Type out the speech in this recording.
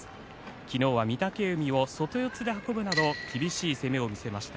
昨日は御嶽海を外四つで運ぶなど厳しい攻めを見せました。